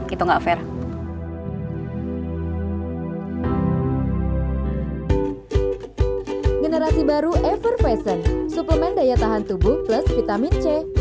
itu gak fair